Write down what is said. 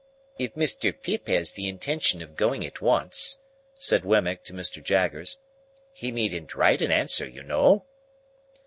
"If Mr. Pip has the intention of going at once," said Wemmick to Mr. Jaggers, "he needn't write an answer, you know."